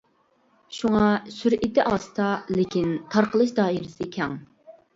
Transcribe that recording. شۇڭا سۈرئىتى ئاستا، لېكىن تارقىلىش دائىرىسى كەڭ.